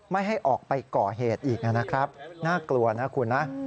ไม่ให้ออกไปก่อเหตุอีกนะครับน่ากลัวนะคุณนะ